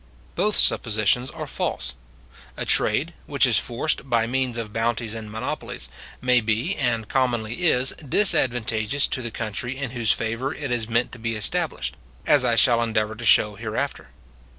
Both suppositions are false. A trade, which is forced by means of bounties and monopolies, may be, and commonly is, disadvantageous to the country in whose favour it is meant to be established, as I shall endeavour to show hereafter.